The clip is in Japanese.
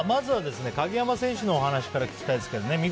まずは鍵山選手のお話から聞きたいんですけどね